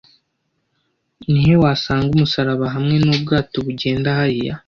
Ni he wasanga umusaraba hamwe na Ubwato bugenda hariya